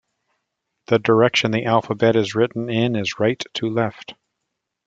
The direction the alphabet is written in is right to left.